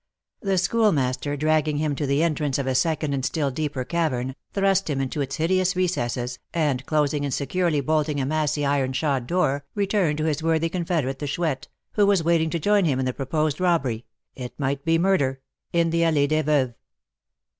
The Schoolmaster, dragging him to the entrance of a second and still deeper cavern, thrust him into its hideous recesses, and closing and securely bolting a massy iron shod door, returned to his worthy confederate, the Chouette, who was waiting to join him in the proposed robbery (it might be murder) in the Allée des Veuves.